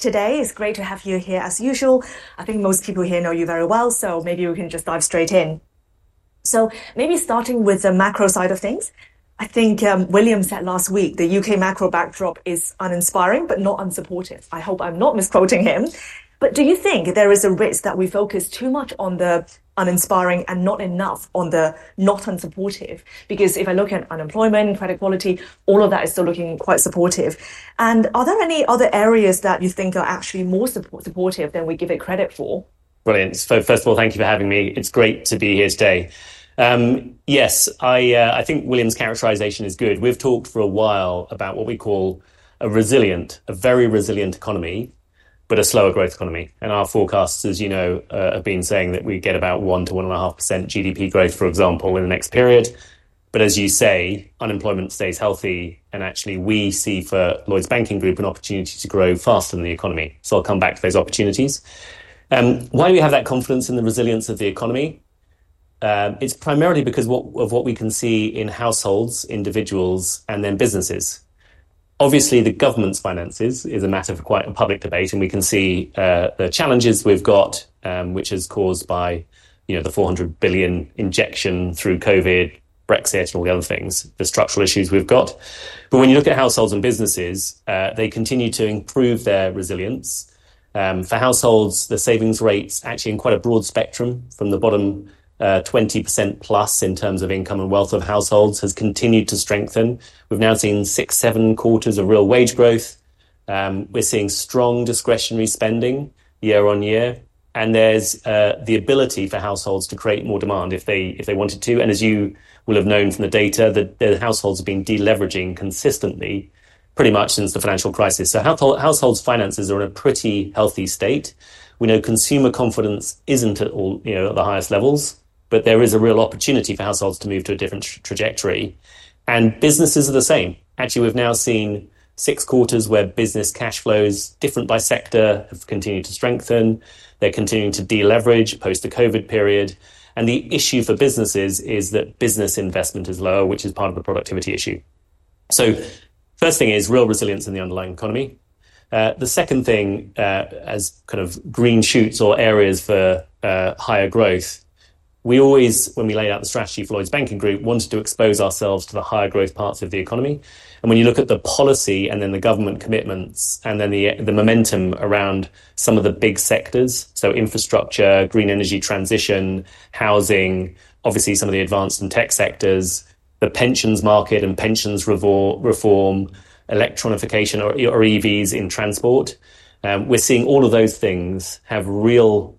Today is great to have you here as usual. I think most people here know you very well, so maybe we can just dive straight in. Maybe starting with the macro side of things, I think William said last week the U.K. macro backdrop is uninspiring but not unsupportive. I hope I'm not misquoting him. Do you think there is a risk that we focus too much on the uninspiring and not enough on the not unsupportive? If I look at unemployment, credit quality, all of that is still looking quite supportive. Are there any other areas that you think are actually more supportive than we give it credit for? Brilliant. First of all, thank you for having me. It's great to be here today. Yes, I think William's characterization is good. We've talked for a while about what we call a resilient, a very resilient economy, but a slower growth economy. Our forecasts, as you know, have been saying that we get about 1%-1.5% GDP growth, for example, in the next period. As you say, unemployment stays healthy. Actually, we see for Lloyds Banking Group an opportunity to grow faster than the economy. I'll come back to those opportunities. Why do we have that confidence in the resilience of the economy? It's primarily because of what we can see in households, individuals, and then businesses. Obviously, the government's finances is a matter for quite a public debate. We can see the challenges we've got, which is caused by the 400 billion injection through COVID, Brexit, and all the other things, the structural issues we've got. When you look at households and businesses, they continue to improve their resilience. For households, the savings rates actually in quite a broad spectrum from the bottom 20%+ in terms of income and wealth of households has continued to strengthen. We've now seen six to seven quarters of real wage growth. We're seeing strong discretionary spending year on year. There's the ability for households to create more demand if they wanted to. As you will have known from the data, the households have been deleveraging consistently pretty much since the financial crisis. Households' finances are in a pretty healthy state. We know consumer confidence isn't at all at the highest levels, but there is a real opportunity for households to move to a different trajectory. Businesses are the same. Actually, we've now seen six quarters where business cash flows, different by sector, have continued to strengthen. They're continuing to deleverage post the COVID period. The issue for businesses is that business investment is lower, which is part of the productivity issue. The first thing is real resilience in the underlying economy. The second thing as kind of green shoots or areas for higher growth, we always, when we laid out the strategy for Lloyds Banking Group, wanted to expose ourselves to the higher growth parts of the economy. When you look at the policy and then the government commitments and the momentum around some of the big sectors, such as infrastructure, green energy transition, housing, obviously some of the advanced and tech sectors, the pensions market and pensions reform, electronification or EVs in transport, we're seeing all of those things have real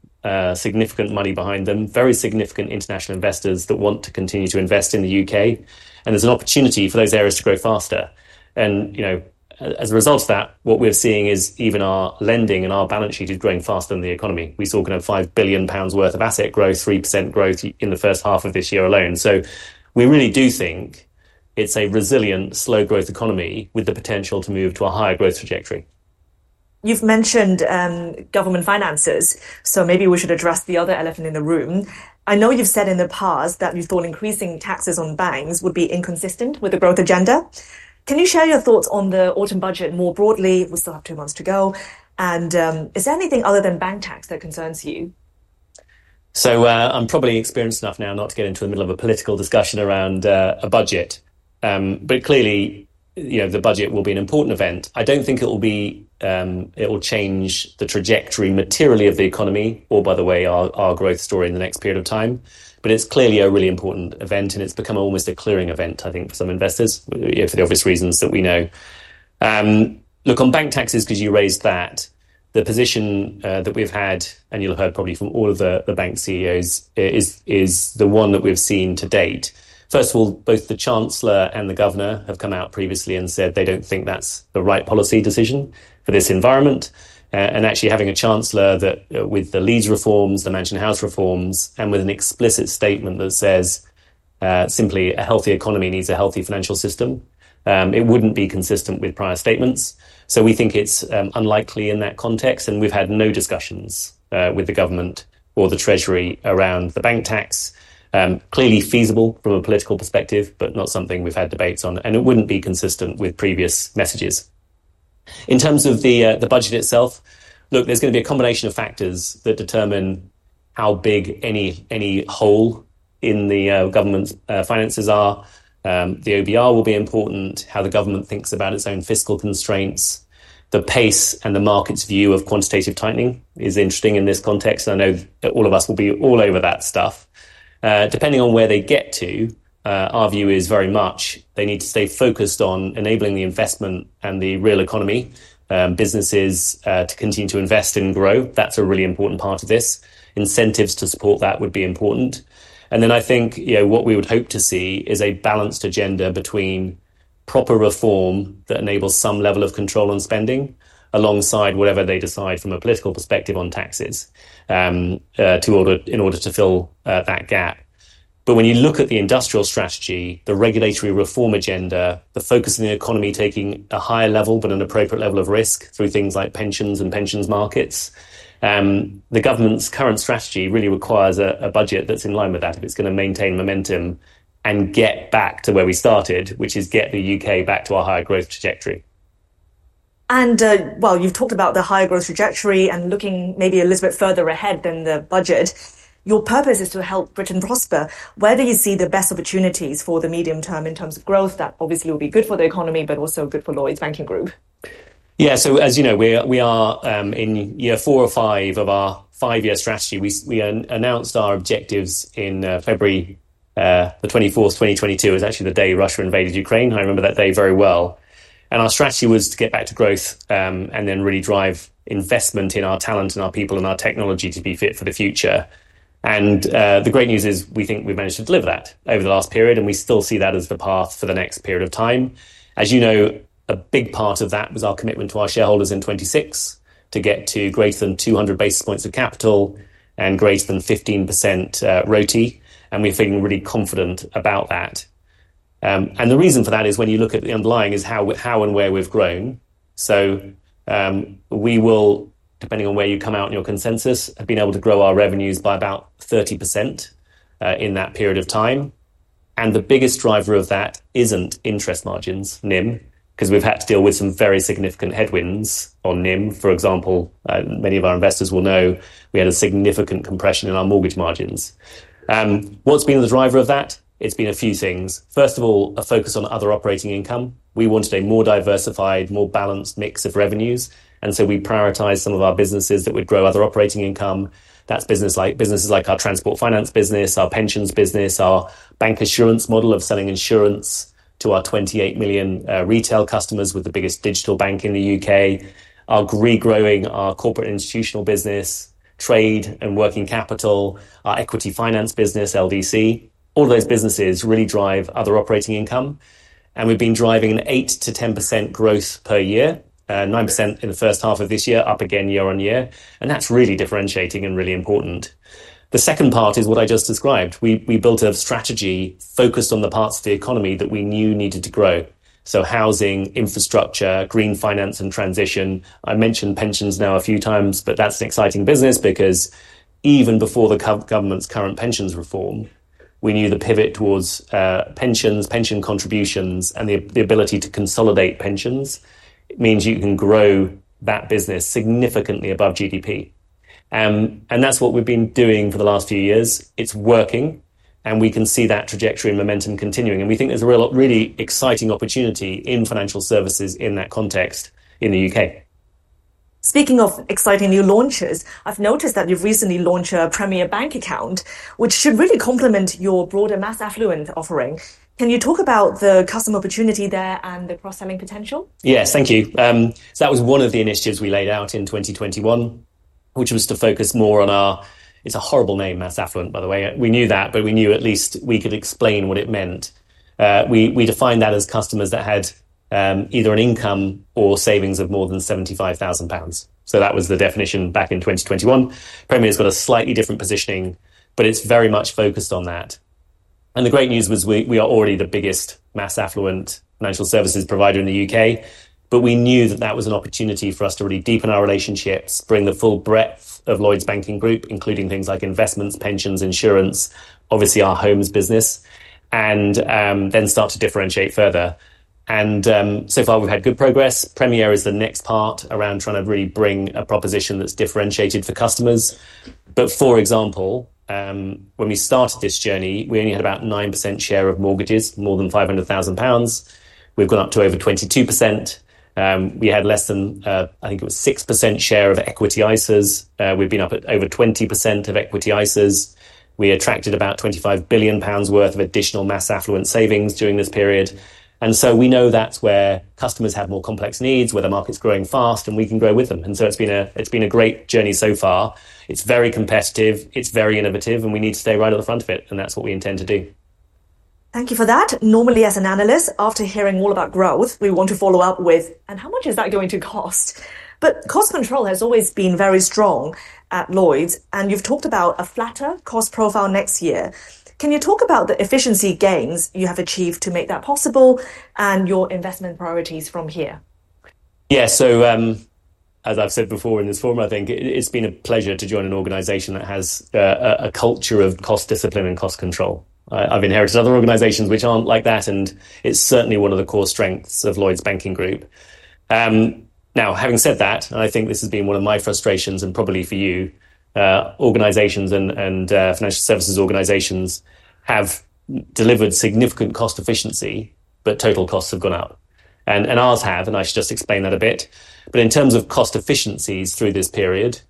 significant money behind them, very significant international investors that want to continue to invest in the U.K.. There's an opportunity for those areas to grow faster. As a result of that, what we're seeing is even our lending and our balance sheet is growing faster than the economy. We saw 5 billion pounds worth of asset growth, 3% growth in the first half of this year alone. We really do think it's a resilient, slow growth economy with the potential to move to a higher growth trajectory. You've mentioned government finances. Maybe we should address the other elephant in the room. I know you've said in the past that you thought increasing taxes on banks would be inconsistent with the growth agenda. Can you share your thoughts on the autumn budget more broadly? We still have two months to go. Is there anything other than bank tax that concerns you? I'm probably experienced enough now not to get into the middle of a political discussion around a budget. Clearly, the budget will be an important event. I don't think it will change the trajectory materially of the economy or, by the way, our growth story in the next period of time. It's clearly a really important event. It's become almost a clearing event, I think, for some investors for the obvious reasons that we know. Look, on bank taxes, because you raised that, the position that we've had, and you'll have heard probably from all of the bank CEOs, is the one that we've seen to date. First of all, both the Chancellor and the Governor have come out previously and said they don't think that's the right policy decision for this environment. Actually, having a Chancellor with the lease reforms, the Mansion House reforms, and with an explicit statement that says simply a healthy economy needs a healthy financial system, it wouldn't be consistent with prior statements. We think it's unlikely in that context. We've had no discussions with the government or the Treasury around the bank tax. Clearly feasible from a political perspective, but not something we've had debates on. It wouldn't be consistent with previous messages. In terms of the budget itself, there's going to be a combination of factors that determine how big any hole in the government's finances are. The OBR will be important, how the government thinks about its own fiscal constraints, the pace and the market's view of quantitative tightening is interesting in this context. I know that all of us will be all over that stuff. Depending on where they get to, our view is very much they need to stay focused on enabling the investment and the real economy, businesses to continue to invest and grow. That's a really important part of this. Incentives to support that would be important. I think what we would hope to see is a balanced agenda between proper reform that enables some level of control on spending alongside whatever they decide from a political perspective on taxes in order to fill that gap. When you look at the industrial strategy, the regulatory reform agenda, the focus on the economy taking a higher level but an appropriate level of risk through things like pensions and pensions markets, the government's current strategy really requires a budget that's in line with that if it's going to maintain momentum and get back to where we started, which is get the U.K. back to our higher growth trajectory. You've talked about the higher growth trajectory and looking maybe a little bit further ahead than the budget. Your purpose is to help Britain prosper. Where do you see the best opportunities for the medium term in terms of growth that obviously will be good for the economy but also good for Lloyds Banking Group? Yeah, as you know, we are in year four or five of our five-year strategy. We announced our objectives in February 24, 2022, which was actually the day Russia invaded Ukraine. I remember that day very well. Our strategy was to get back to growth and really drive investment in our talent, our people, and our technology to be fit for the future. The great news is we think we've managed to deliver that over the last period. We still see that as the path for the next period of time. As you know, a big part of that was our commitment to our shareholders in 2026 to get to greater than 200 basis points of capital and greater than 15% RoTE. We're feeling really confident about that. The reason for that is when you look at the underlying, it's how and where we've grown. We will, depending on where you come out in your consensus, have been able to grow our revenues by about 30% in that period of time. The biggest driver of that isn't interest margins, NIM, because we've had to deal with some very significant headwinds on NIM. For example, many of our investors will know we had a significant compression in our mortgage margins. What's been the driver of that? It's been a few things. First of all, a focus on other operating income. We wanted a more diversified, more balanced mix of revenues. We prioritized some of our businesses that would grow other operating income. That's businesses like our transport finance business, our pensions business, our bancassurance model of selling insurance to our 28 million retail customers with the biggest digital bank in the U.K., regrowing our corporate institutional business, trade and working capital, our equity finance business, LDC. All of those businesses really drive other operating income. We've been driving an 8%-10% growth per year, 9% in the first half of this year, up again year on year. That's really differentiating and really important. The second part is what I just described. We built a strategy focused on the parts of the economy that we knew needed to grow, like housing, infrastructure, green finance, and transition. I mentioned pensions now a few times, but that's an exciting business because even before the government's current pensions reform, we knew the pivot towards pensions, pension contributions, and the ability to consolidate pensions means you can grow that business significantly above GDP. That's what we've been doing for the last few years. It's working. We can see that trajectory and momentum continuing. We think there's a really exciting opportunity in financial services in that context in the U.K. Speaking of exciting new launches, I've noticed that you've recently launched a Premier Bank account, which should really complement your broader Mass Affluent offering. Can you talk about the customer opportunity there and the cross-selling potential? Yes, thank you. That was one of the initiatives we laid out in 2021, which was to focus more on our—it's a horrible name, Mass Affluent, by the way. We knew that, but we knew at least we could explain what it meant. We defined that as customers that had either an income or savings of more than 75,000 pounds. That was the definition back in 2021. Premier's got a slightly different positioning, but it's very much focused on that. The great news was we are already the biggest Mass Affluent financial services provider in the U.K. We knew that was an opportunity for us to really deepen our relationships, bring the full breadth of Lloyds Banking Group, including things like investments, pensions, insurance, obviously our homes business, and then start to differentiate further. So far, we've had good progress. Premier is the next part around trying to really bring a proposition that's differentiated for customers. For example, when we started this journey, we only had about a 9% share of mortgages more than 500,000 pounds. We've gone up to over 22%. We had less than, I think it was a 6% share of equity ISAs. We've been up at over 20% of equity ISAs. We attracted about 25 billion pounds worth of additional Mass Affluent savings during this period. We know that's where customers have more complex needs, where the market's growing fast, and we can grow with them. It's been a great journey so far. It's very competitive. It's very innovative. We need to stay right on the front of it. That's what we intend to do. Thank you for that. Normally, as an analyst, after hearing all about growth, we want to follow up with, and how much is that going to cost? Cost control has always been very strong at Lloyds. You've talked about a flatter cost profile next year. Can you talk about the efficiency gains you have achieved to make that possible and your investment priorities from here? Yeah, as I've said before in this forum, I think it's been a pleasure to join an organization that has a culture of cost discipline and cost control. I've inherited other organizations which aren't like that. It's certainly one of the core strengths of Lloyds Banking Group. Having said that, I think this has been one of my frustrations and probably for you, organizations and financial services organizations have delivered significant cost efficiency, but total costs have gone up. Ours have, and I should just explain that a bit. In terms of cost efficiencies through this period,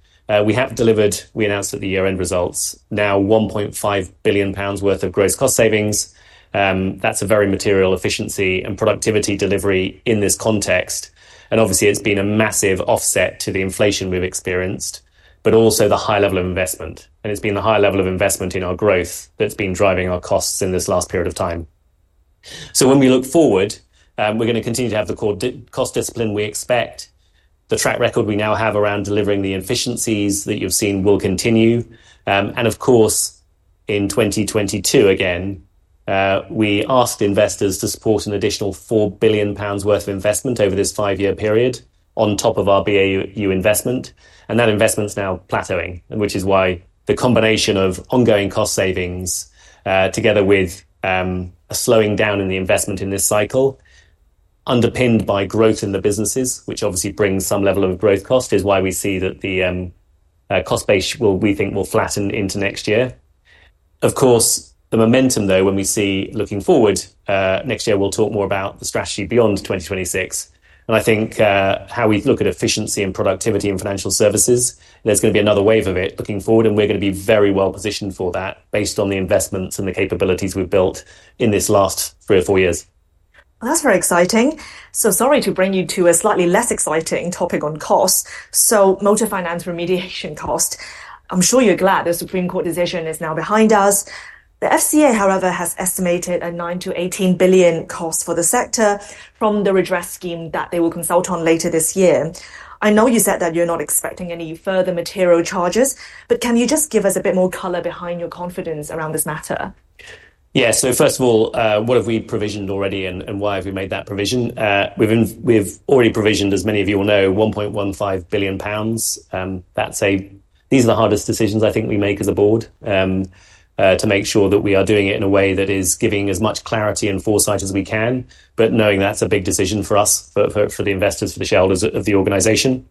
we have delivered, we announced at the year-end results, now 1.5 billion pounds worth of gross cost savings. That's a very material efficiency and productivity delivery in this context. Obviously, it's been a massive offset to the inflation we've experienced, but also the high level of investment. It's been the high level of investment in our growth that's been driving our costs in this last period of time. When we look forward, we're going to continue to have the core cost discipline we expect. The track record we now have around delivering the efficiencies that you've seen will continue. In 2022, again, we asked investors to support an additional 4 billion pounds worth of investment over this five-year period on top of our BAU investment. That investment's now plateauing, which is why the combination of ongoing cost savings together with a slowing down in the investment in this cycle underpinned by growth in the businesses, which obviously brings some level of growth cost, is why we see that the cost base we think will flatten into next year. The momentum, though, when we see looking forward next year, we'll talk more about the strategy beyond 2026. I think how we look at efficiency and productivity in financial services, there's going to be another wave of it looking forward. We're going to be very well positioned for that based on the investments and the capabilities we've built in this last three or four years. That's very exciting. Sorry to bring you to a slightly less exciting topic on costs, motor finance remediation costs. I'm sure you're glad the Supreme Court decision is now behind us. The FCA, however, has estimated a 9 billion-18 billion cost for the sector from the redress scheme that they will consult on later this year. I know you said that you're not expecting any further material charges, but can you just give us a bit more color behind your confidence around this matter? Yeah, so first of all, what have we provisioned already and why have we made that provision? We've already provisioned, as many of you will know, 1.15 billion pounds. These are the hardest decisions I think we make as a board to make sure that we are doing it in a way that is giving as much clarity and foresight as we can, but knowing that's a big decision for us, for the investors, for the shareholders of the organization.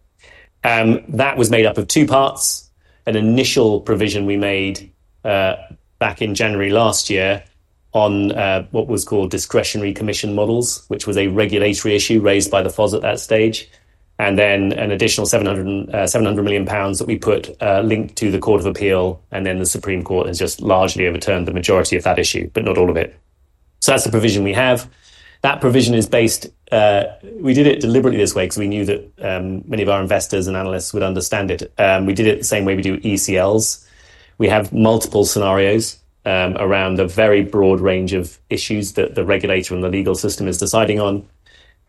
That was made up of two parts: an initial provision we made back in January last year on what was called discretionary commission models, which was a regulatory issue raised by the FCA at that stage, and then an additional 700 million pounds that we put linked to the Court of Appeal. The Supreme Court has just largely overturned the majority of that issue, but not all of it. That's the provision we have. That provision is based, we did it deliberately this way because we knew that many of our investors and analysts would understand it. We did it the same way we do ECLs. We have multiple scenarios around a very broad range of issues that the regulator and the legal system is deciding on,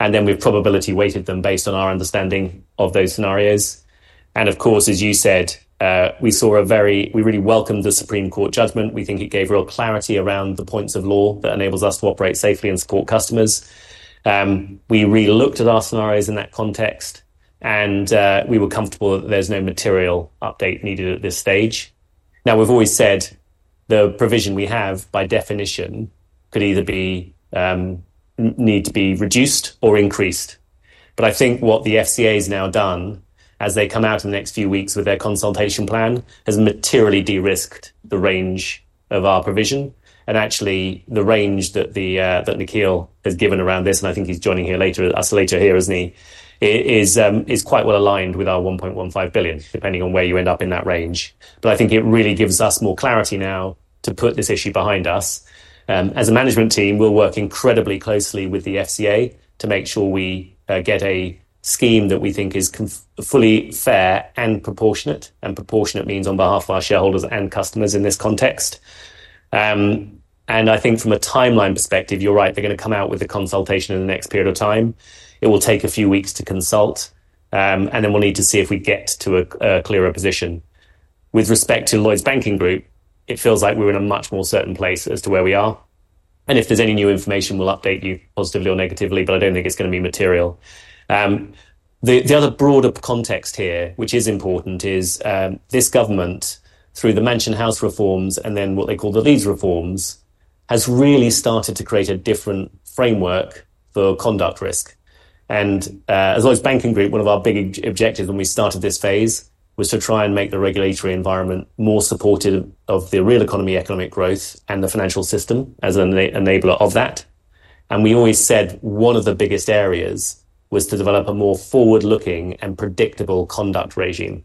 and then we've probability weighted them based on our understanding of those scenarios. Of course, as you said, we saw a very, we really welcomed the Supreme Court judgment. We think it gave real clarity around the points of law that enable us to operate safely and support customers. We really looked at our scenarios in that context, and we were comfortable that there's no material update needed at this stage. We've always said the provision we have by definition could either need to be reduced or increased. I think what the FCA has now done as they come out in the next few weeks with their consultation plan has materially de-risked the range of our provision. Actually, the range that Nikhil has given around this, and I think he's joining us later here, isn't he? It is quite well aligned with our 1.15 billion, depending on where you end up in that range. I think it really gives us more clarity now to put this issue behind us. As a management team, we'll work incredibly closely with the FCA to make sure we get a scheme that we think is fully fair and proportionate. Proportionate means on behalf of our shareholders and customers in this context. I think from a timeline perspective, you're right. They're going to come out with the consultation in the next period of time. It will take a few weeks to consult. We will need to see if we get to a clearer position. With respect to Lloyds Banking Group, it feels like we're in a much more certain place as to where we are. If there's any new information, we'll update you positively or negatively, but I don't think it's going to be material. The other broader context here, which is important, is this government through the Mansion House reforms and then what they call the lease reforms has really started to create a different framework for conduct risk. As Lloyds Banking Group, one of our big objectives when we started this phase was to try and make the regulatory environment more supportive of the real economy, economic growth, and the financial system as an enabler of that. We always said one of the biggest areas was to develop a more forward-looking and predictable conduct regime.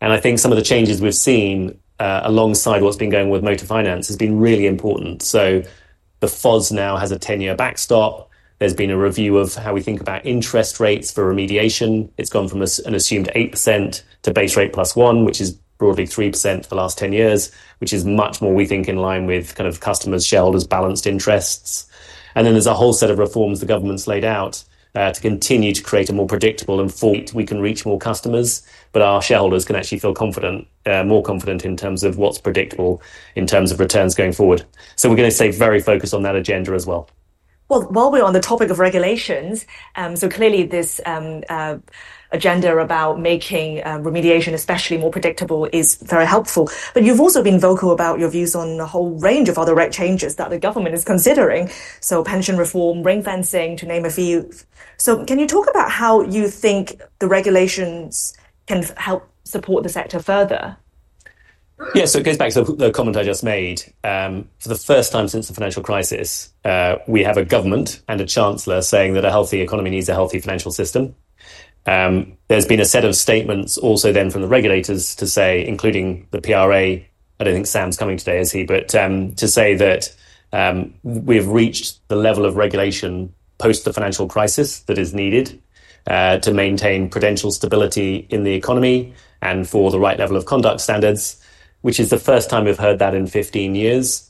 I think some of the changes we've seen alongside what's been going on with motor finance has been really important. The FODs now have a 10-year backstop. There's been a review of how we think about interest rates for remediation. It's gone from an assumed 8% to base rate +1%, which is broadly 3% for the last 10 years, which is much more we think in line with kind of customers, shareholders, balanced interests. There's a whole set of reforms the government's laid out to continue to create a more predictable and form. We can reach more customers, but our shareholders can actually feel more confident in terms of what's predictable in terms of returns going forward. We're going to stay very focused on that agenda as well. While we're on the topic of regulations, this agenda about making remediation especially more predictable is very helpful. You've also been vocal about your views on a whole range of other rate changes that the government is considering, like pension reform and ring fencing, to name a few. Can you talk about how you think the regulations can help support the sector further? Yeah, so it goes back to the comment I just made. For the first time since the financial crisis, we have a government and a Chancellor saying that a healthy economy needs a healthy financial system. There's been a set of statements also then from the regulators to say, including the PRA. I don't think Sam's coming today, is he? To say that we have reached the level of regulation post the financial crisis that is needed to maintain prudential stability in the economy and for the right level of conduct standards, which is the first time we've heard that in 15 years.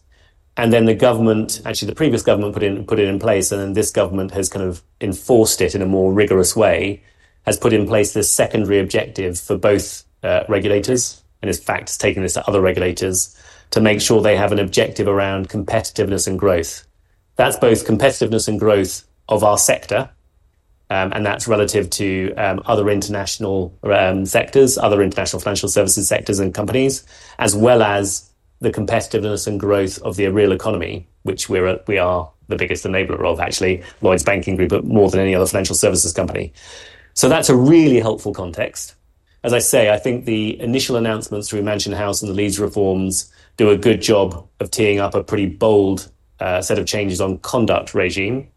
The previous government put it in place, and this government has enforced it in a more rigorous way, has put in place this secondary objective for both regulators, and in fact, it's taken this to other regulators to make sure they have an objective around competitiveness and growth. That's both competitiveness and growth of our sector, and that's relative to other international sectors, other international financial services sectors and companies, as well as the competitiveness and growth of the real economy, which we are the biggest enabler of, actually, Lloyds Banking Group, more than any other financial services company. That's a really helpful context. As I say, I think the initial announcements through the Mansion House and the lease reforms do a good job of teeing up a pretty bold set of changes on the conduct regime.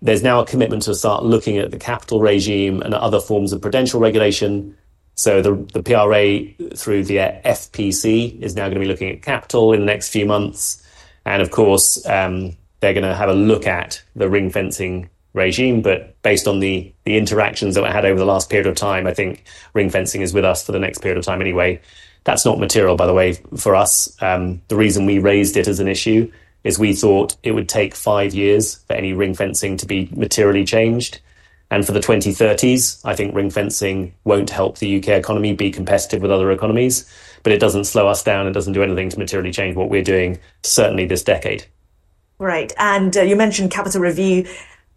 There's now a commitment to start looking at the capital regime and other forms of prudential regulation. The PRA through the FPC is now going to be looking at capital in the next few months. Of course, they're going to have a look at the ring-fencing regime. Based on the interactions that we had over the last period of time, I think ring-fencing is with us for the next period of time anyway. That's not material, by the way, for us. The reason we raised it as an issue is we thought it would take five years for any ring-fencing to be materially changed. For the 2030s, I think ring-fencing won't help the U.K. economy be competitive with other economies. It doesn't slow us down. It doesn't do anything to materially change what we're doing, certainly this decade. Right. You mentioned capital review.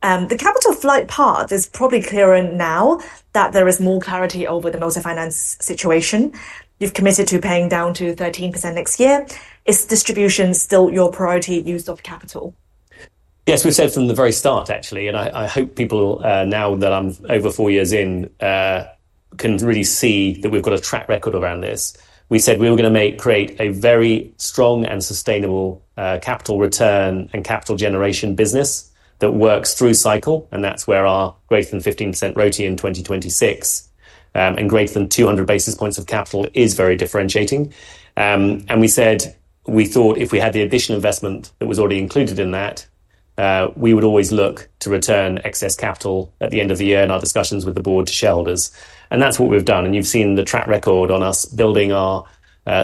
The capital flight path is probably clearer now that there is more clarity over the motor finance situation. You've committed to paying down to 13% next year. Is distribution still your priority use of capital? Yes, we said from the very start, actually. I hope people now that I'm over four years in can really see that we've got a track record around this. We said we were going to create a very strong and sustainable capital return and capital generation business that works through cycle. That's where our greater than 15% RoTE in 2026 and greater than 200 basis points of capital is very differentiating. We said we thought if we had the additional investment that was already included in that, we would always look to return excess capital at the end of the year in our discussions with the board to shareholders. That's what we've done. You've seen the track record on us building our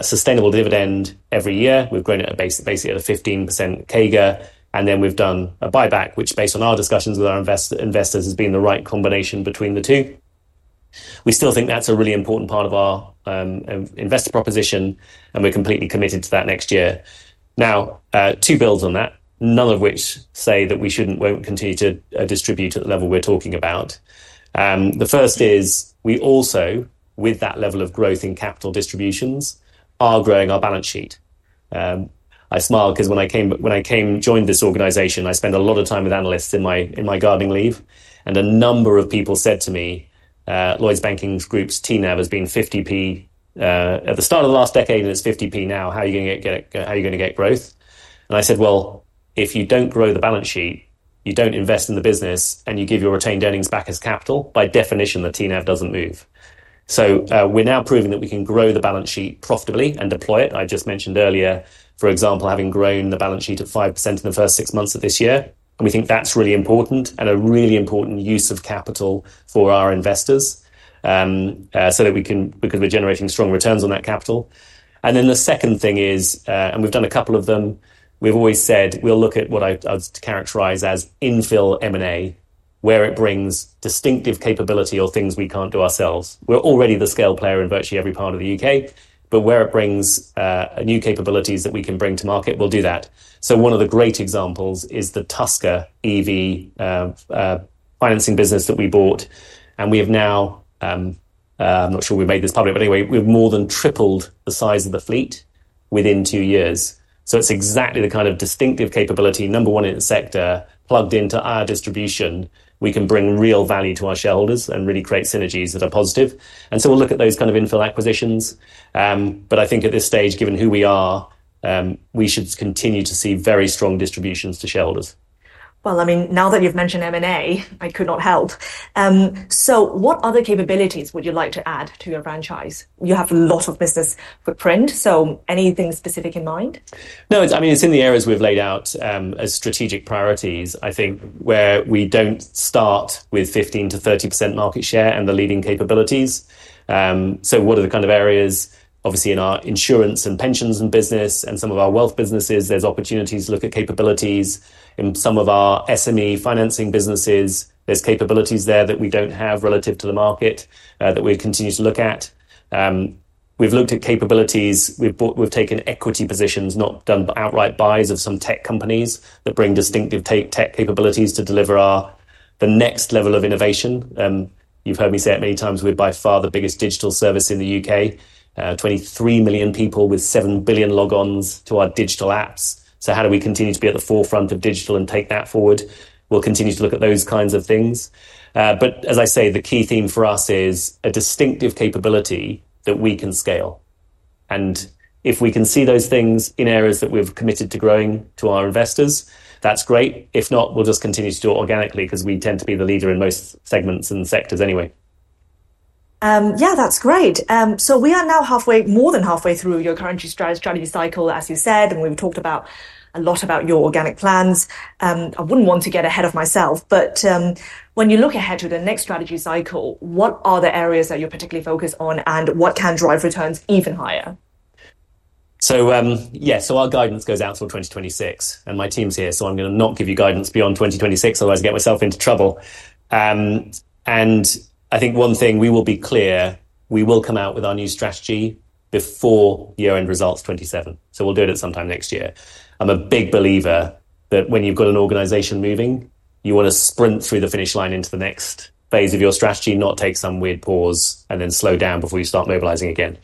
sustainable dividend every year. We've grown it basically at a 15% CAGR. We've done a buyback, which based on our discussions with our investors has been the right combination between the two. We still think that's a really important part of our investor proposition. We're completely committed to that next year. Now, two builds on that, none of which say that we shouldn't continue to distribute at the level we're talking about. The first is we also, with that level of growth in capital distributions, are growing our balance sheet. I smile because when I came to join this organization, I spent a lot of time with analysts in my gardening leave. A number of people said to me, "Lloyds Banking Group's TNAV has been 0.50 at the start of the last decade. It's 0.50 now. How are you going to get growth?" I said, "If you don't grow the balance sheet, you don't invest in the business, and you give your retained earnings back as capital, by definition, the TNAV doesn't move." We're now proving that we can grow the balance sheet profitably and deploy it. I just mentioned earlier, for example, having grown the balance sheet to 5% in the first six months of this year. We think that's really important and a really important use of capital for our investors so that we could be generating strong returns on that capital. The second thing is, and we've done a couple of them, we've always said we'll look at what I'd characterize as infill M&A, where it brings distinctive capability or things we can't do ourselves. We're already the scale player in virtually every part of the U.K.. Where it brings new capabilities that we can bring to market, we'll do that. One of the great examples is the Tusker EV financing business that we bought. We have now, I'm not sure we made this public, but anyway, we've more than tripled the size of the fleet within two years. It's exactly the kind of distinctive capability, number one in the sector, plugged into our distribution. We can bring real value to our shareholders and really create synergies that are positive. We'll look at those kind of infill acquisitions. I think at this stage, given who we are, we should continue to see very strong distributions to shareholders. Now that you've mentioned M&A, I could not help. What other capabilities would you like to add to your franchise? You have a lot of business footprint. Anything specific in mind? No, I mean, it's in the areas we've laid out as strategic priorities. I think where we don't start with 15%-30% market share and the leading capabilities. What are the kind of areas? Obviously, in our insurance and pensions business and some of our wealth businesses, there's opportunities to look at capabilities. In some of our SME financing businesses, there's capabilities there that we don't have relative to the market that we'll continue to look at. We've looked at capabilities. We've taken equity positions, not done outright buys, of some tech companies that bring distinctive tech capabilities to deliver the next level of innovation. You've heard me say it many times. We're by far the biggest digital service in the U.K., 23 million people with 7 billion log-ons to our digital apps. How do we continue to be at the forefront of digital and take that forward? We'll continue to look at those kinds of things. The key theme for us is a distinctive capability that we can scale. If we can see those things in areas that we've committed to growing to our investors, that's great. If not, we'll just continue to do it organically because we tend to be the leader in most segments and sectors anyway. Yeah, that's great. We are now more than halfway through your current strategy cycle, as you said. We've talked a lot about your organic plans. I wouldn't want to get ahead of myself. When you look ahead to the next strategy cycle, what are the areas that you're particularly focused on? What can drive returns even higher? Yes, our guidance goes out till 2026. My team's here, so I'm not going to give you guidance beyond 2026. Otherwise, I get myself into trouble. I think one thing we will be clear, we will come out with our new strategy before year-end results 2027. We'll do it at some time next year. I'm a big believer that when you've got an organization moving, you want to sprint through the finish line into the next phase of your strategy, not take some weird pause and then slow down before you start mobilizing again.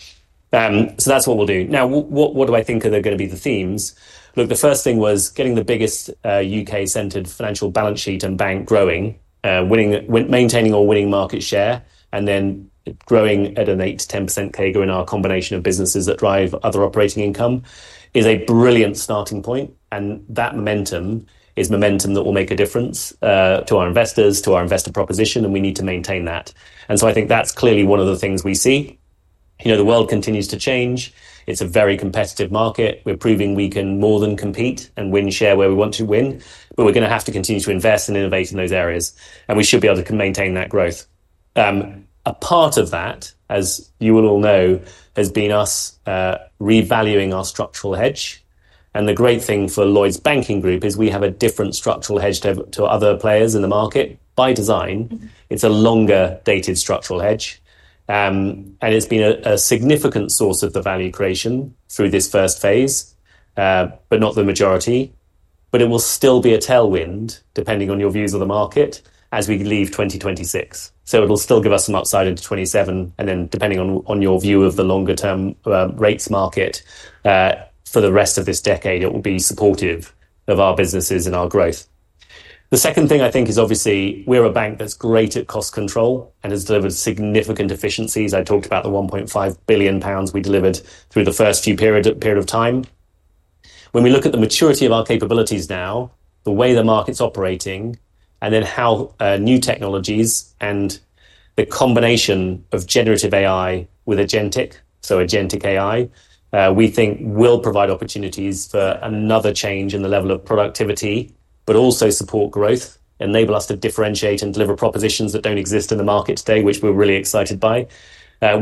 That's what we'll do. Now, what do I think are going to be the themes? The first thing was getting the biggest U.K.-centered financial balance sheet and bank growing, maintaining or winning market share, and then growing at an 8%-10% CAGR in our combination of businesses that drive other operating income is a brilliant starting point. That momentum is momentum that will make a difference to our investors, to our investor proposition. We need to maintain that. I think that's clearly one of the things we see. The world continues to change. It's a very competitive market. We're proving we can more than compete and win share where we want to win. We're going to have to continue to invest and innovate in those areas. We should be able to maintain that growth. A part of that, as you will all know, has been us revaluing our structural hedge. The great thing for Lloyds Banking Group is we have a different structural hedge to other players in the market. By design, it's a longer-dated structural hedge. It's been a significant source of the value creation through this first phase, but not the majority. It will still be a tailwind, depending on your views of the market, as we leave 2026. It'll still give us some upside into 2027. Then, depending on your view of the longer-term rates market for the rest of this decade, it will be supportive of our businesses and our growth. The second thing I think is obviously we're a bank that's great at cost control and has delivered significant efficiencies. I talked about the 1.5 billion pounds we delivered through the first few periods of time. When we look at the maturity of our capabilities now, the way the market's operating, and then how new technologies and the combination of generative AI with agentic, so agentic AI, we think will provide opportunities for another change in the level of productivity, but also support growth, enable us to differentiate and deliver propositions that don't exist in the market today, which we're really excited by.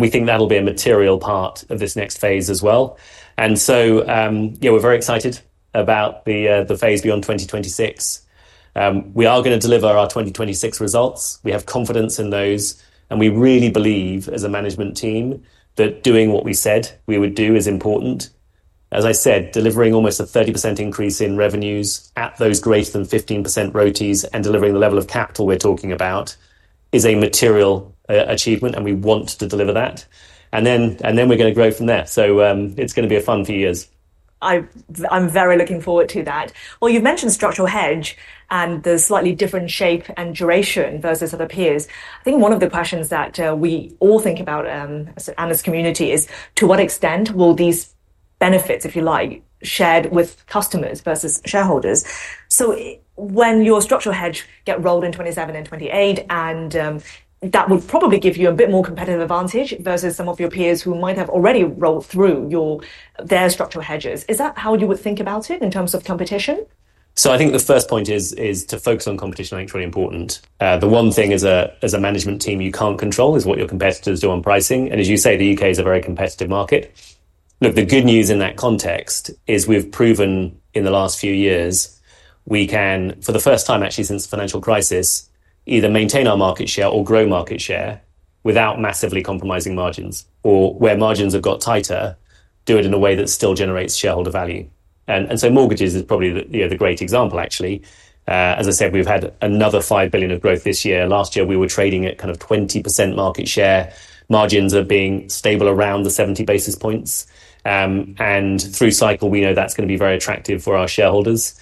We think that'll be a material part of this next phase as well. We're very excited about the phase beyond 2026. We are going to deliver our 2026 results. We have confidence in those. We really believe, as a management team, that doing what we said we would do is important. As I said, delivering almost a 30% increase in revenues at those greater than 15% RoTEs and delivering the level of capital we're talking about is a material achievement. We want to deliver that. We're going to grow from there. It's going to be a fun few years. I'm very looking forward to that. You mentioned structural hedge and the slightly different shape and duration versus other peers. I think one of the questions that we all think about as analyst community is to what extent will these benefits, if you like, be shared with customers versus shareholders? When your structural hedge gets rolled in 2027 and 2028, that will probably give you a bit more competitive advantage versus some of your peers who might have already rolled through their structural hedges. Is that how you would think about it in terms of competition? I think the first point is to focus on competition, I think, is really important. The one thing as a management team you can't control is what your competitors do on pricing. As you say, the U.K. is a very competitive market. The good news in that context is we've proven in the last few years we can, for the first time actually since the financial crisis, either maintain our market share or grow market share without massively compromising margins. Where margins have got tighter, we do it in a way that still generates shareholder value. Mortgages is probably the great example, actually. As I said, we've had another 5 billion of growth this year. Last year, we were trading at kind of 20% market share. Margins are being stable around the 70 basis points. through cycle, we know that's going to be very attractive for our shareholders.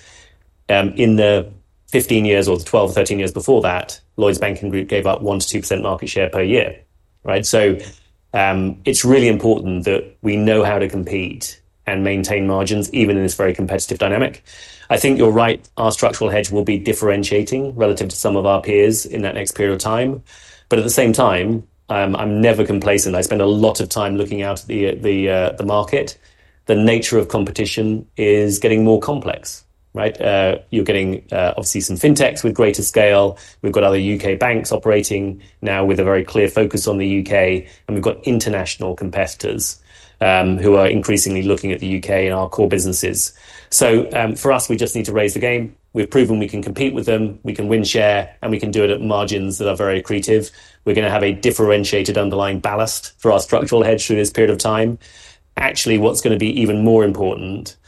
In the 15 years or the 12 or 13 years before that, Lloyds Banking Group gave up 1%-2% market share per year. It's really important that we know how to compete and maintain margins even in this very competitive dynamic. I think you're right. Our structural hedge will be differentiating relative to some of our peers in that next period of time. At the same time, I'm never complacent. I spend a lot of time looking out at the market. The nature of competition is getting more complex. You're getting obviously some fintechs with greater scale. We've got other U.K. banks operating now with a very clear focus on the U.K.. We've got international competitors who are increasingly looking at the U.K. and our core businesses. For us, we just need to raise the game. We've proven we can compete with them. We can win share. We can do it at margins that are very accretive. We're going to have a differentiated underlying ballast for our structural hedge through this period of time. Actually, what's going to be even more important,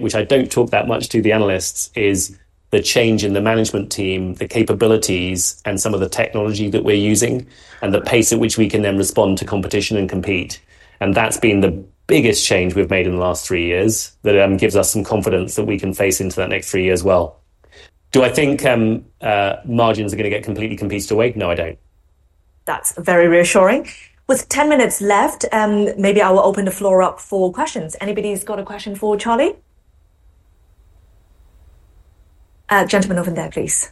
which I don't talk that much to the analysts, is the change in the management team, the capabilities, and some of the technology that we're using, and the pace at which we can then respond to competition and compete. That's been the biggest change we've made in the last three years that gives us some confidence that we can face into that next three years as well. Do I think margins are going to get completely competed away? No, I don't. That's very reassuring. With 10 minutes left, maybe I will open the floor up for questions. Anybody's got a question for Charlie? Gentleman over there, please.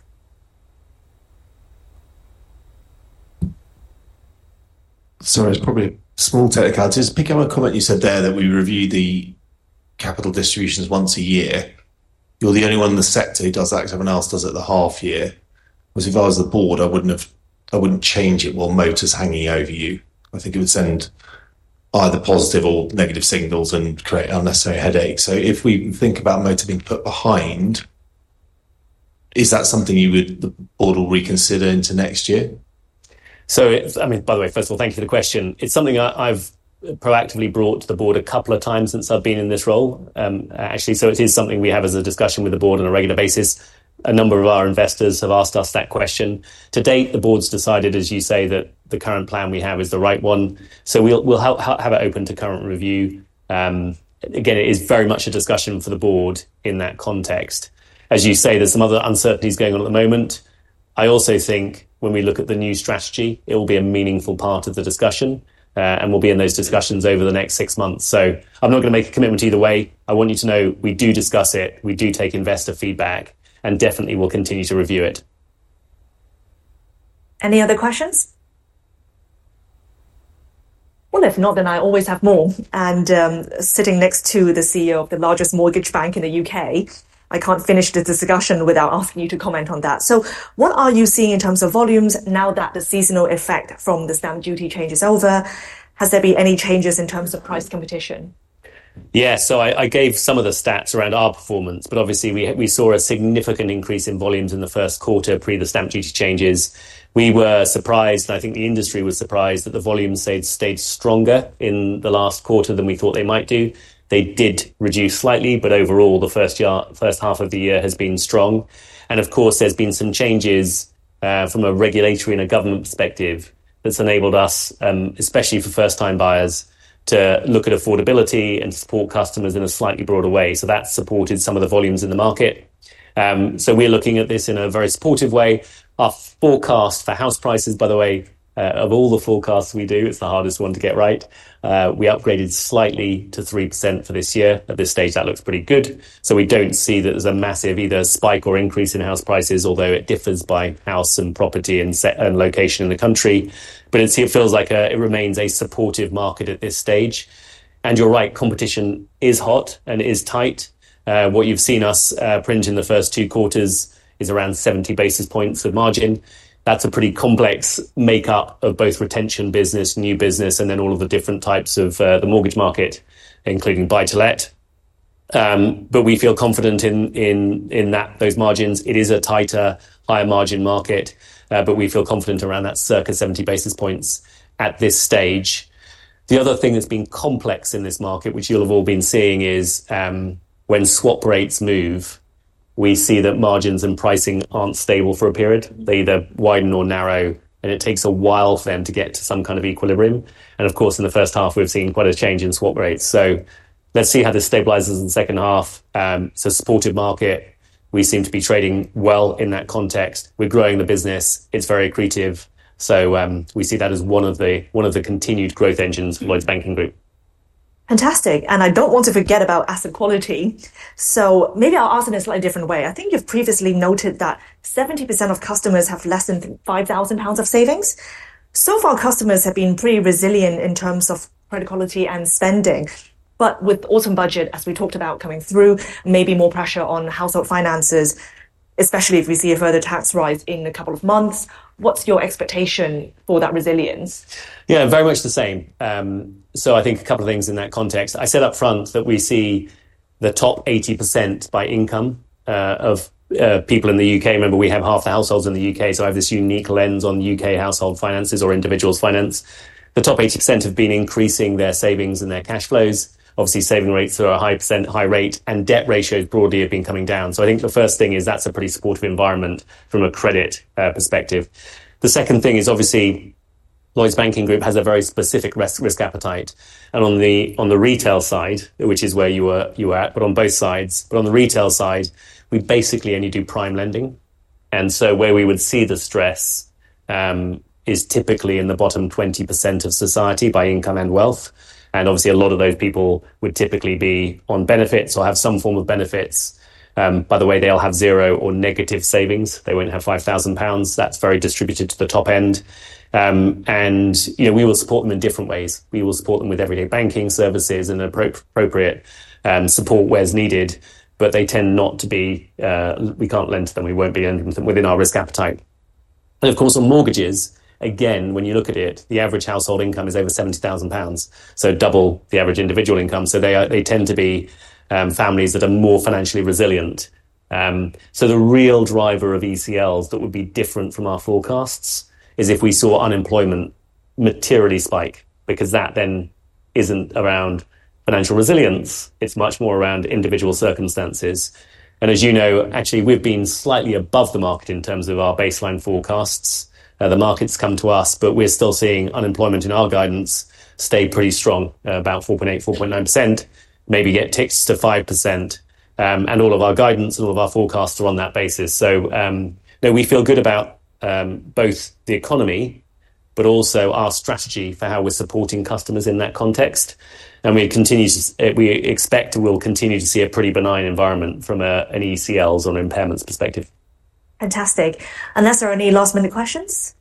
Sorry, it's probably a small technicality. I was picking up a comment you said there that we review the capital distributions once a year. You're the only one in the sector who does that because everyone else does it at the half year. If I was the board, I wouldn't change it while motor finance remediation's hanging over you. I think it would send either positive or negative signals and create unnecessary headaches. If we think about motor finance remediation being put behind, is that something you would, the board will reconsider into next year? Thank you for the question. It's something I've proactively brought to the board a couple of times since I've been in this role, actually. It is something we have as a discussion with the board on a regular basis. A number of our investors have asked us that question. To date, the board's decided, as you say, that the current plan we have is the right one. We'll have it open to current review. It is very much a discussion for the board in that context. As you say, there's some other uncertainties going on at the moment. I also think when we look at the new strategy, it will be a meaningful part of the discussion, and we'll be in those discussions over the next six months. I'm not going to make a commitment either way. I want you to know we do discuss it. We do take investor feedback and definitely, we'll continue to review it. Any other questions? If not, then I always have more. Sitting next to the CEO of the largest mortgage bank in the U.K., I can't finish this discussion without asking you to comment on that. What are you seeing in terms of volumes now that the seasonal effect from the stamp duty change is over? Has there been any changes in terms of price competition? Yeah, so I gave some of the stats around our performance. Obviously, we saw a significant increase in volumes in the first quarter pre the stamp duty changes. We were surprised, and I think the industry was surprised that the volumes stayed stronger in the last quarter than we thought they might do. They did reduce slightly. Overall, the first half of the year has been strong. Of course, there's been some changes from a regulatory and a government perspective that's enabled us, especially for first-time buyers, to look at affordability and support customers in a slightly broader way. That's supported some of the volumes in the market. We're looking at this in a very supportive way. Our forecast for house prices, by the way, of all the forecasts we do, it's the hardest one to get right. We upgraded slightly to 3% for this year. At this stage, that looks pretty good. We don't see that there's a massive either spike or increase in house prices, although it differs by house and property and location in the country. It feels like it remains a supportive market at this stage. You're right, competition is hot and it is tight. What you've seen us print in the first two quarters is around 70 basis points of margin. That's a pretty complex makeup of both retention business, new business, and then all of the different types of the mortgage market, including buy-to-let. We feel confident in those margins. It is a tighter, higher margin market. We feel confident around that circa 70 basis points at this stage. The other thing that's been complex in this market, which you'll have all been seeing, is when swap rates move, we see that margins and pricing aren't stable for a period. They either widen or narrow, and it takes a while for them to get to some kind of equilibrium. In the first half, we've seen quite a change in swap rates. Let's see how this stabilizes in the second half. It's a supportive market. We seem to be trading well in that context. We're growing the business. It's very accretive. We see that as one of the continued growth engines of Lloyds Banking Group. Fantastic. I do not want to forget about asset quality. Maybe I'll ask in a slightly different way. I think you've previously noted that 70% of customers have less than 5,000 pounds of savings. So far, customers have been pretty resilient in terms of credit quality and spending. With the autumn budget, as we talked about coming through, maybe more pressure on household finances, especially if we see a further tax rise in a couple of months. What's your expectation for that resilience? Yeah, very much the same. I think a couple of things in that context. I said up front that we see the top 80% by income of people in the U.K.. Remember, we have half the households in the U.K., so I have this unique lens on U.K. household finances or individuals' finance. The top 80% have been increasing their savings and their cash flows. Obviously, saving rates are at a high percent rate, and debt ratios broadly have been coming down. I think the first thing is that's a pretty supportive environment from a credit perspective. The second thing is obviously Lloyds Banking Group has a very specific risk appetite. On the retail side, which is where you're at, but on both sides, but on the retail side, we basically only do prime lending. Where we would see the stress is typically in the bottom 20% of society by income and wealth. Obviously, a lot of those people would typically be on benefits or have some form of benefits. By the way, they'll have zero or negative savings. They won't have 5,000 pounds. That's very distributed to the top end. We will support them in different ways. We will support them with everyday banking services and appropriate support where needed. They tend not to be, we can't lend to them. We won't be lending to them within our risk appetite. Of course, on mortgages, again, when you look at it, the average household income is over 70,000 pounds, so double the average individual income. They tend to be families that are more financially resilient. The real driver of ECLs that would be different from our forecasts is if we saw unemployment materially spike because that then isn't around financial resilience. It's much more around individual circumstances. As you know, actually, we've been slightly above the market in terms of our baseline forecasts. The market's come to us, but we're still seeing unemployment in our guidance stay pretty strong, about 4.8%, 4.9%, maybe it ticks to 5%. All of our guidance and all of our forecasts are on that basis. No, we feel good about both the economy, but also our strategy for how we're supporting customers in that context. We expect we'll continue to see a pretty benign environment from an ECLs on impairments perspective. Fantastic. Unless there are any last-minute questions?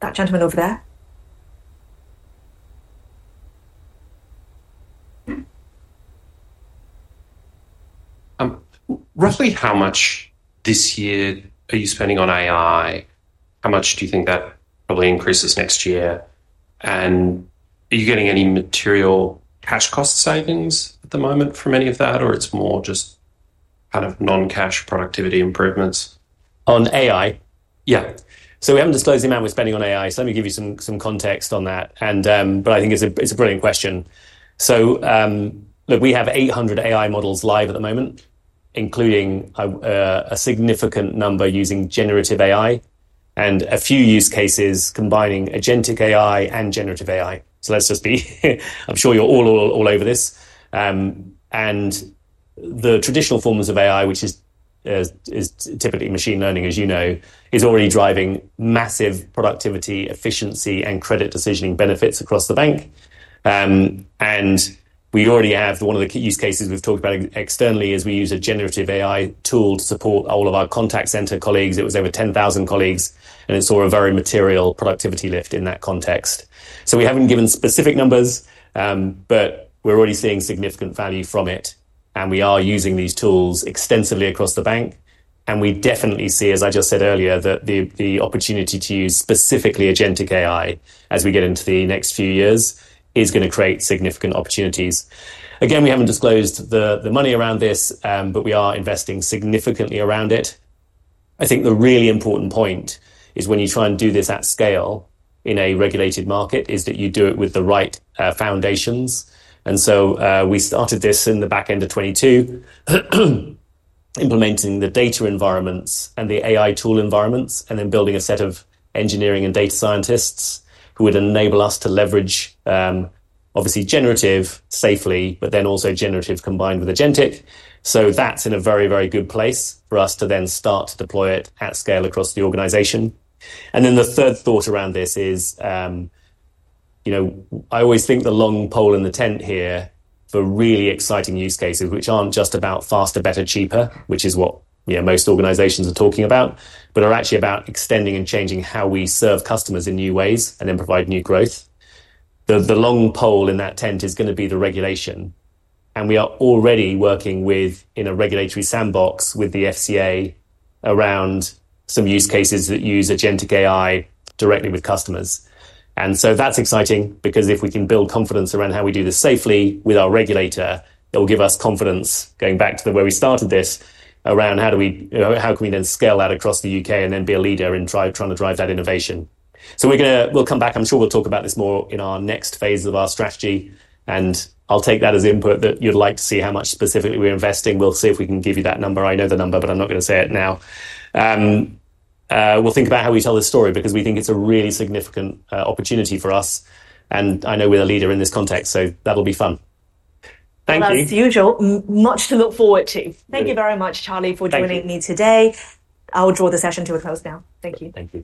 That gentleman over there. Roughly how much this year are you spending on AI? How much do you think that probably increases next year? Are you getting any material cash cost savings at the moment from any of that, or it's more just kind of non-cash productivity improvements? On AI? Yeah. We haven't disclosed the amount we're spending on AI. Let me give you some context on that. I think it's a brilliant question. We have 800 AI models live at the moment, including a significant number using generative AI and a few use cases combining agentic AI and generative AI. I'm sure you're all over this. The traditional forms of AI, which is typically machine learning, as you know, is already driving massive productivity, efficiency, and credit decisioning benefits across the bank. We already have one of the key use cases we've talked about externally: we use a generative AI tool to support all of our contact center colleagues. It was over 10,000 colleagues, and it saw a very material productivity lift in that context. We haven't given specific numbers, but we're already seeing significant value from it. We are using these tools extensively across the bank. We definitely see, as I just said earlier, that the opportunity to use specifically agentic AI as we get into the next few years is going to create significant opportunities. We haven't disclosed the money around this, but we are investing significantly around it. The really important point is when you try and do this at scale in a regulated market, you do it with the right foundations. We started this in the back end of 2022, implementing the data environments and the AI tool environments, and then building a set of engineering and data scientists who would enable us to leverage, obviously, generative safely, but then also generative combined with agentic. That's in a very, very good place for us to then start to deploy it at scale across the organization. The third thought around this is, you know, I always think the long pole in the tent here for really exciting use cases, which aren't just about faster, better, cheaper, which is what most organizations are talking about, but are actually about extending and changing how we serve customers in new ways and then provide new growth. The long pole in that tent is going to be the regulation. We are already working in a regulatory sandbox with the FCA around some use cases that use agentic AI directly with customers. That's exciting because if we can build confidence around how we do this safely with our regulator, it will give us confidence, going back to where we started this, around how can we then scale out across the U.K. and then be a leader in trying to drive that innovation. We're going to come back. I'm sure we'll talk about this more in our next phase of our strategy. I'll take that as input that you'd like to see how much specifically we're investing. We'll see if we can give you that number. I know the number, but I'm not going to say it now. We'll think about how we tell this story because we think it's a really significant opportunity for us. I know we're the leader in this context. That'll be fun. Thank you. As usual, much to look forward to. Thank you very much, Charlie, for joining me today. I'll draw the session to a close now. Thank you. Thank you.